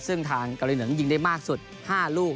ซึ่งทางเกาหลีเหนือยิงได้มากสุด๕ลูก